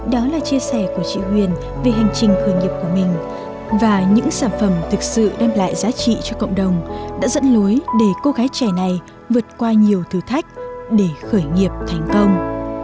đó là chia sẻ của chị huyền về hành trình khởi nghiệp của mình và những sản phẩm thực sự đem lại giá trị cho cộng đồng đã dẫn lối để cô gái trẻ này vượt qua nhiều thử thách để khởi nghiệp thành công